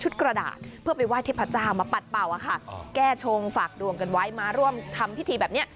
กระดาษเพื่อไปไหว้เทพเจ้ามาปัดเป่าอะค่ะแก้ชงฝากดวงกันไว้มาร่วมทำพิธีแบบนี้